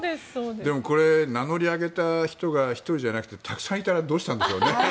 でも、名乗り上げた人が１人じゃなくてたくさんいたらどうしたんでしょうね。